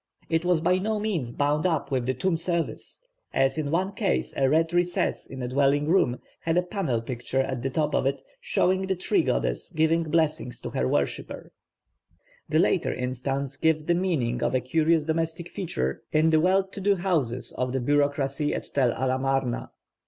It was by no means bound up with the tomb service, as in one case a red recess in a dwelling room had a panel picture at the top of it showing the tree goddess giving blessings to her worshipper (Ramesseum, xx). The latter instance gives the meaning of a curious domestic feature in the well to do houses of the bureaucracy at Tell el Amarna.